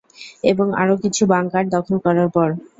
এবং আরও কিছু বাঙ্কার দখল করার পর।